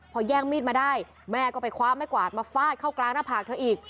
พอแย่งมีดมาได้แม่ก็ไปคว้าไม่กวาดมาฟาดเข้ากลางหน้าผากเธออีก